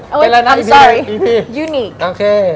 เป็นอะไรนะอีพีอีพียูนิคโอเค